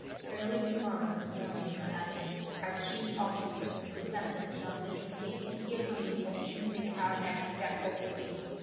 Early to morrow morning," he added, "our chief officers will present themselves at your gate to hear from you what you think our next step ought to be.